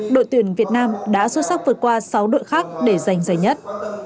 đội tuyển việt nam đã xuất sắc vượt qua sáu đội khác để giành giải nhất